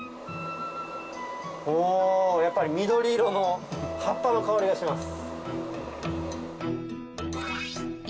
おやっぱり緑色の葉っぱの香りがします。